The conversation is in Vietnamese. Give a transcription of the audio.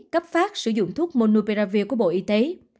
cấp phát sử dụng thuốc monuperavir của bộ y tế